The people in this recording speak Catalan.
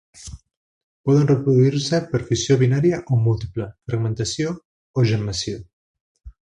Poden reproduir-se per fissió binària o múltiple, fragmentació o gemmació.